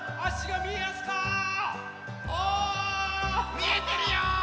みえてるよ！